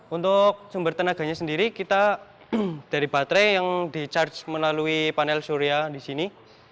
untuk sumber tenaganya sendiri kita dari baterai yang di charge melalui panel surya di sini